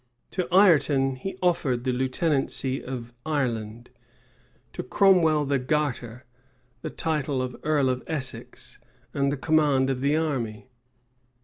To Ireton he offered the lieutenancy of Ireland; to Cromwell the garter, the title of earl of Essex, and the command of the army.